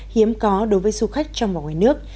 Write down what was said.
hiếm có đối với du khách trong và ngoài nước